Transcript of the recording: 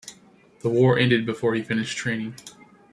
The war ended before he finished training.